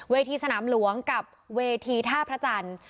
ที่สนามหลวงกับเวทีท่าพระจันทร์